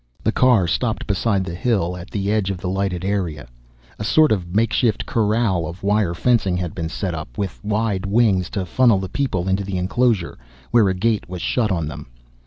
The car stopped beside the hill, at the edge of the lighted area. A sort of makeshift corral of wire fencing had been set up, with wide wings to funnel the people into the enclosure, where a gate was shut on them.